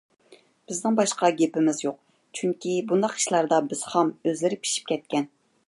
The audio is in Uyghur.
بىزنىڭ باشقا گېپىمىز يوق. چۈنكى، بۇنداق ئىشلاردا بىز خام، ئۆزلىرى پىشىپ كەتكەن.